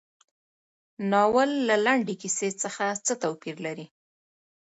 ناول له لنډې کیسې څخه څه توپیر لري.